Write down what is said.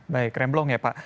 baik kremblong ya pak